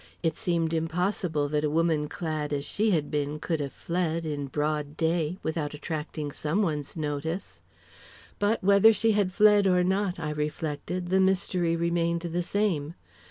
It seemed impossible that a woman clad as she had been could have fled, in broad day, without attracting some one's notice. But whether she had fled or not, I reflected, the mystery remained the same.